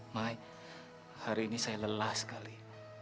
mai hari ini saya lelah sekali